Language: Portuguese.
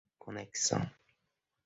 conexão